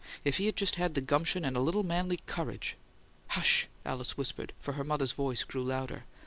If he'd just had the gumption and a little manly COURAGE " "Hush!" Alice whispered, for her mother's voice grew louder.